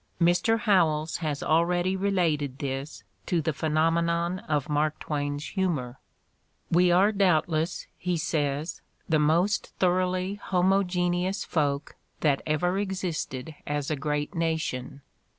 Mr. Howells has al ready related this to the phenomenon of Mark Twain's 210 The Ordeal of Mark Twain humor. ""We are doubtless," he says, "the most thor oughly homogeneous folk that ever existed as a great nation.